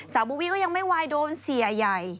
สาวโบวี่ก็ยังไม่วายโดนเสียใหญ่